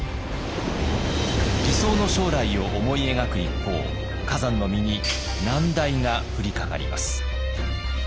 理想の将来を思い描く一方崋山の身に難題が降りかかります。